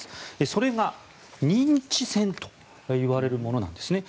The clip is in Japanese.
それが認知戦といわれるものなんですね。